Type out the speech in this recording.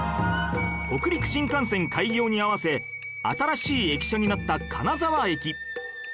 北陸新幹線開業に合わせ新しい駅舎になった金沢駅